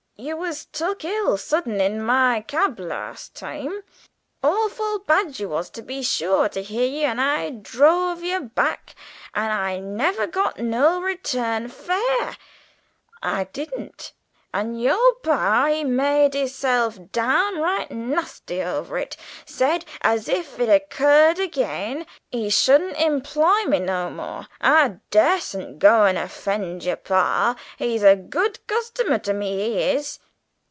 "You was took ill sudden in my cab the larst time. Offal bad you was, to be sure to hear ye, and I druv' yer back; and I never got no return fare, I didn't, and yer par he made hisself downright nasty over it, said as if it occurred agin he shouldn't employ me no more. I durstn't go and offend yer par; he's a good customer to me, he is."